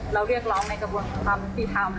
เราเรียกร้องในกระบวนความติดครรภ์